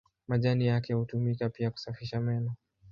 Majani yake hutumika pia kusafisha meno.